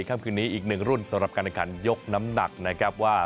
กลั้นซักครู่นี้อีกหนึ่งรุ่นสำหรับการรักษายกน้ำหนักนะครับว่า